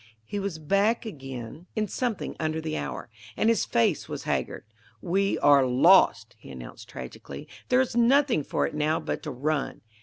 He was back again in something under the hour, and his face was haggard. "We are lost!" he announced tragically. "There is nothing for it now but to run."